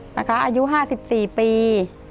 นะคะอายุ๕๔ปี